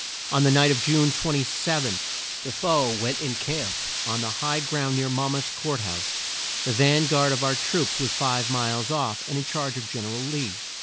On the night of June 27, the foe went in camp on the high ground near Mon mouth Court House. The van guard of our troops was five miles off, and in charge of Gen er al Lee.